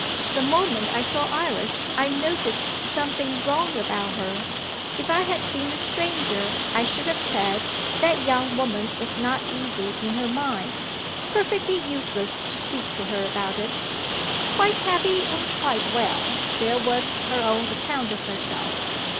The moment I saw Iris I noticed something wrong about her. If I had been a stranger, I should have said: That young woman is not easy in her mind. Perfectly useless to speak to her about it. Quite happy and quite well there was her own account of herself.